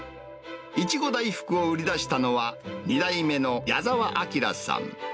苺大福を売り出したのは、２代目の矢澤章さん。